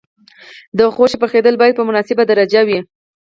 د غوښې پخېدل باید په مناسبه درجه وي.